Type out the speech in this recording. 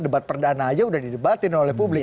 debat perdana aja udah didebatin oleh publik